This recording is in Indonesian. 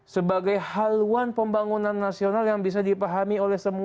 sebagai haluan pembangunan nasional yang bisa dipahami oleh semua